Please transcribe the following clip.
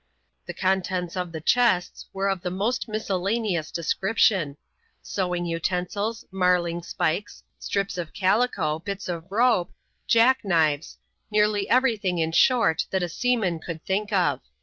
T)ie contents of the chests were of the most miscellaneous desoripticHi :— sewing utensils, marling spikes, strips of calico, hiti of rope, jack knives r nearly every thing, in short, that a seaman oould think of.